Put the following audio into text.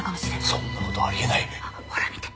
そんな事あり得ない。